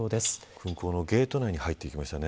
空港のゲート内に入ってきましたね。